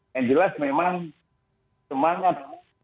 yang jelas memang semangat